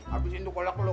abisin dukul aku loh